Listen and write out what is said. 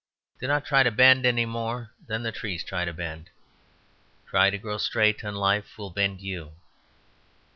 Do not try to bend, any more than the trees try to bend. Try to grow straight, and life will bend you.